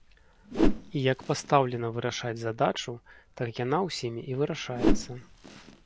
І як пастаўлена вырашаць задачу, так яна ўсімі і вырашаецца.